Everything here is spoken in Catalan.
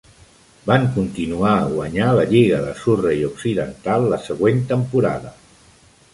Van continuar a guanyar la Lliga de Surrey Occidental la següent temporada.